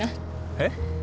えっ？